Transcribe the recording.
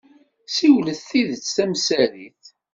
Ssiwlet tidet tamsarit.